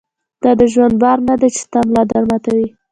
دا دژوند بار نۀ دی چې ستا ملا در ماتوي